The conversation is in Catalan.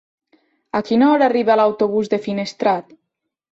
A quina hora arriba l'autobús de Finestrat?